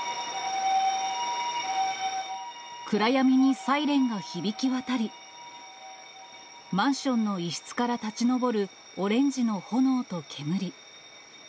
暗闇にサイレンが響き渡り、マンションの一室から立ち上るオレンジの炎と煙。